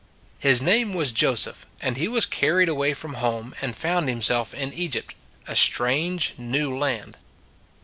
His name was Joseph, and he was car ried away from home, and found himself in Egypt, a strange new land.